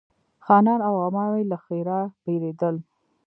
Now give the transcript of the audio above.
خانان او عوام یې له ښرا بېرېدل.